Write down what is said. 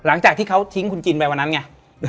หลังจากที่เขาทิ้งคุณจินไปวันนั้นไง